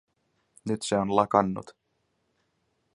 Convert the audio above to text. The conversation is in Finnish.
Nyt se on lakannut.